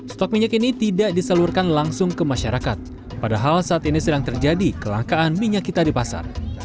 stok minyak ini tidak disalurkan langsung ke masyarakat padahal saat ini sedang terjadi kelangkaan minyak kita di pasar